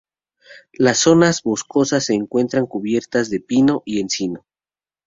Las zonas boscosas se encuentran cubiertas de pino y encino.